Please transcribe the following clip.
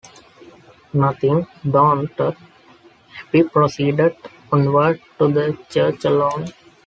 Nothing daunted, Abby proceeded onward to the church alone.